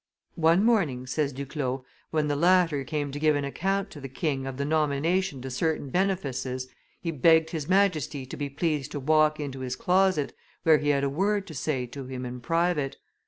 "One morning," says Duclos, "when the latter came to give an account to the king of the nomination to certain benefices, he begged his Majesty to be pleased to walk into his closet, where he had a word to say to him in private.